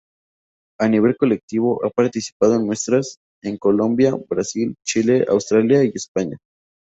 A nivel colectivo ha participado en muestras en Colombia, Brasil, Chile, Australia y España.